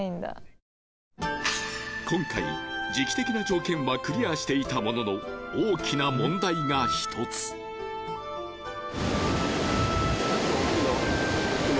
今回時季的な条件はクリアしていたものの大きな問題が一つ雲がねえ